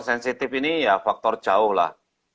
sensitif ini ya faktor jauh lah